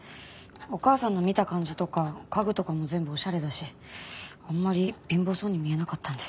お母さんの見た感じとか家具とかも全部おしゃれだしあんまり貧乏そうに見えなかったので。